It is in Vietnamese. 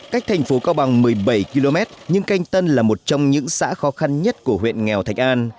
cách thành phố cao bằng một mươi bảy km nhưng canh tân là một trong những xã khó khăn nhất của huyện nghèo thạch an